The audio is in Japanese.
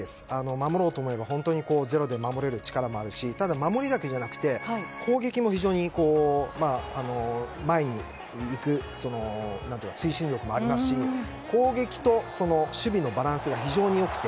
守ろうと思えば本当にゼロ守れる力もあるしただ、守りだけじゃなくて攻撃も前に行く推進力もありますし攻撃と守備のバランスが非常に良くて。